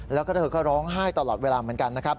แล้วเธอก็ร้องไห้ตลอดเวลาเหมือนกัน